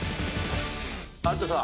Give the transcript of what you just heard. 有田さん